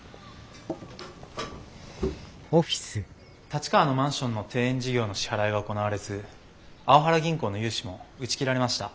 立川のマンションの庭園事業の支払いが行われずあおはら銀行の融資も打ち切られました。